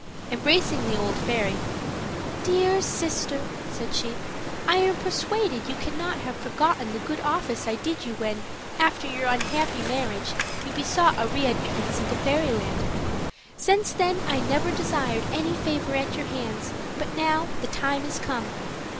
Embracing the old fairy: "Dear sister," said she, "I am persuaded you cannot have forgotten the good office I did you when, after your unhappy marriage, you besought a readmittance into Fairyland; since then I never desired any favor at your hands, but now the time is come.